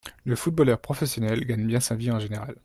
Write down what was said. Le footballeur professionnel gagne bien sa vie en général